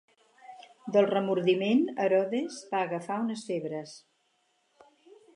Del remordiment Herodes va agafar unes febres.